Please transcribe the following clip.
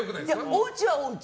おうちはおうち。